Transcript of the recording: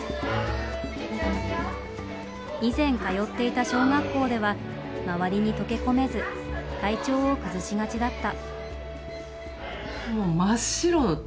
以前通っていた小学校では周りに溶け込めず体調を崩しがちだった。